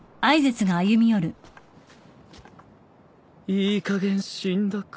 いいかげん死んだか。